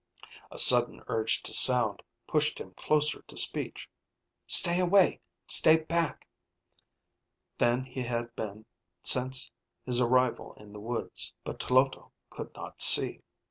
A sudden urge to sound pushed him closer to speech (Stay away! Stay Back!) than he had been since his arrival in the woods. But Tloto could not see.